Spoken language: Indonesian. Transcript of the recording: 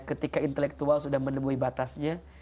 ketika intelektual sudah menemui batasnya